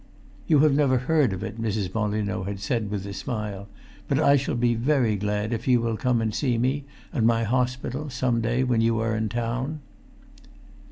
"You have never heard of it," Mrs. Molyneux had said with a smile; "but I shall be very glad if you will come and see me and my hospital some day when you are in town."